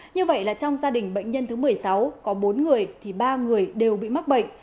như vậy là trong gia đình bệnh nhân thứ một mươi sáu có bốn người thì ba người đều bị mắc bệnh